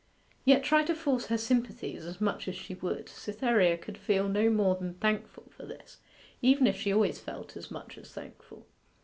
Yet try to force her sympathies as much as she would, Cytherea could feel no more than thankful for this, even if she always felt as much as thankful.